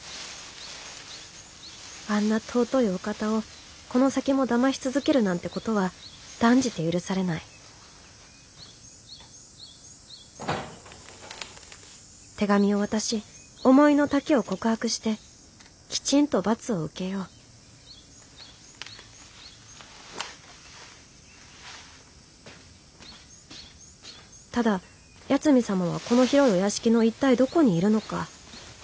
あんな尊いお方をこの先もだまし続けるなんてことは断じて許されない手紙を渡し思いの丈を告白してきちんと罰を受けようただ八海サマはこの広いお屋敷の一体どこにいるのか。